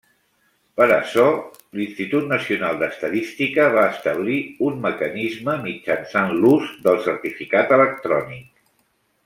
Per a açò, l'Institut Nacional d'Estadística va establir un mecanisme mitjançant l'ús del certificat electrònic.